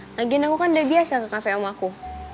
lagian aku kan udah biasa ke cafe om aku